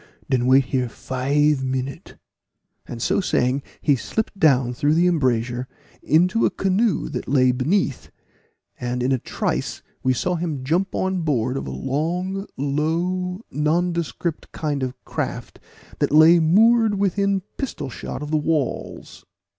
"Den wait here five minute" and so saying, he slipped down through the embrasure into a canoe that lay beneath, and in a trice we saw him jump on board of a long low nondescript kind of craft that lay moored within pistol shot of the walls.